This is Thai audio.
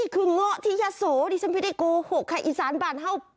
กรุงที่พัยอยากกินงะนั่น